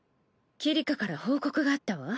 桐香から報告があったわ。